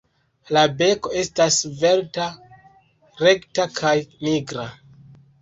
La beko estas svelta, rekta kaj nigra.